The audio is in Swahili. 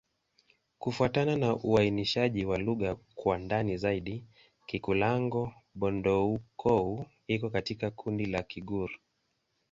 Kufuatana na uainishaji wa lugha kwa ndani zaidi, Kikulango-Bondoukou iko katika kundi la Kigur.